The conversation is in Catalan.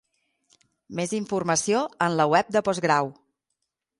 Més informació en la Web de Postgrau.